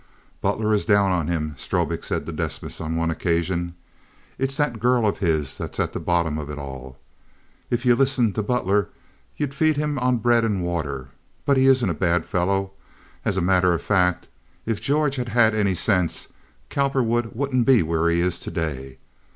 "Butler is down on him," Strobik said to Desmas, on one occasion. "It's that girl of his that's at the bottom of it all. If you listened to Butler you'd feed him on bread and water, but he isn't a bad fellow. As a matter of fact, if George had had any sense Cowperwood wouldn't be where he is to day.